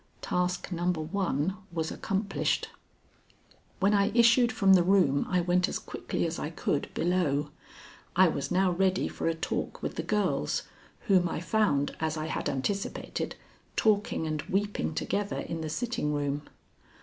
Task number one was accomplished. When I issued from the room, I went as quickly as I could below. I was now ready for a talk with the girls, whom I found as I had anticipated, talking and weeping together in the sitting room.